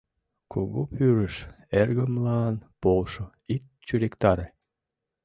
— Кугу пӱрыш, эргымлан полшо, ит чуриктаре.